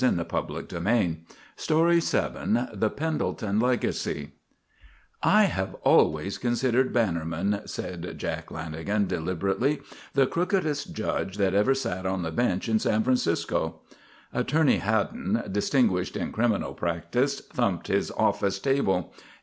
VII THE PENDELTON LEGACY VII THE PENDELTON LEGACY "I have always considered Bannerman," said Jack Lanagan, deliberately, "the crookedest judge that ever sat on the bench in San Francisco." Attorney Haddon, distinguished in criminal practice, thumped his office table.